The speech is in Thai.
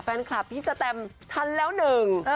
แฟนคลับพี่สแตมฉันแล้วหนึ่ง